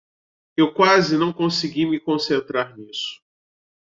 Eu quase não consegui me concentrar nisso.